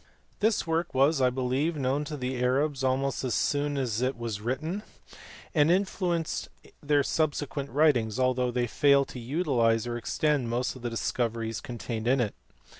This work was I believe known to the Arabs almost as soon as it was written and influenced their subsequent writings, though they failed to utilize or extend most of the discoveries contained in it.